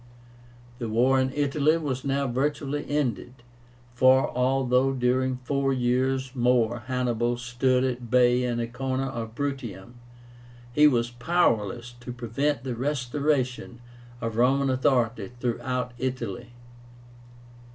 The war in Italy was now virtually ended, for, although during four years more Hannibal stood at bay in a corner of Bruttium, he was powerless to prevent the restoration of Roman authority throughout Italy.